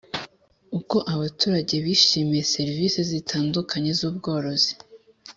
Uko abaturage bishimiye serivisi zitandukanye z ubworozi